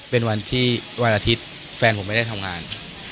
เป็นวันที่วันอาทิตย์แฟนผมไม่ได้ทำงาน